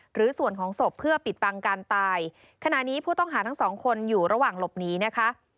หรือส่วนของศพเพื่อปิดบังการตายขณะนี้ผู้ต้องหาทั้งสองคนอยู่ระหว่างหลบหนีนะคะ